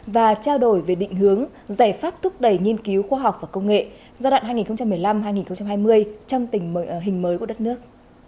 và trao đổi về định hướng giải pháp thúc đẩy nghiên cứu khoa học và công nghệ giai đoạn hai nghìn một mươi năm hai nghìn hai mươi trong tình hình mới của đất nước